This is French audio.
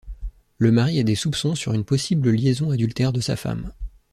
Le mari a des soupçons sur une possible liaison adultère de sa femme.